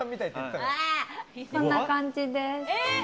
こんな感じです。